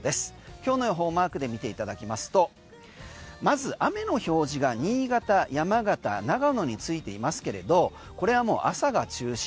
今日の予報マークで見ていただきますとまず雨の表示が新潟、山形、長野についていますけれどこれは朝が中心。